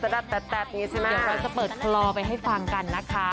เดี๋ยวเราจะเปิดคลอไปให้ฟังกันนะคะ